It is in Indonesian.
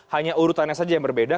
hanya urutannya saja yang berbeda